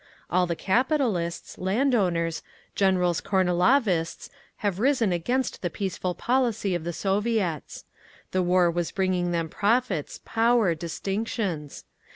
All the capitalists, landowners, Generals Kornilovists have risen against the peaceful policy of the Soviets. The war was bringing them profits, power, distinctions.